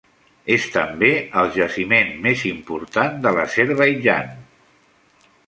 És també el jaciment més important de l'Azerbaidjan.